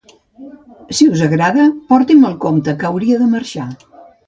Si us agrada, porti'm el compte, que hauria de marxar.